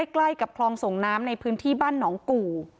ใกล้กับคลองส่งน้ำในพื้นที่บ้านหนองกู่